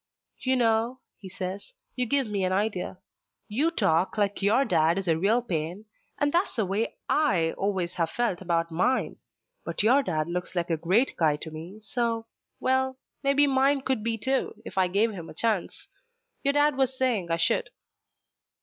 "You know," he says, "you give me an idea. You talk like your dad is a real pain, and that's the way I always have felt about mine. But your dad looks like a great guy to me, so—well, maybe mine could be too, if I gave him a chance. Your dad was saying I should."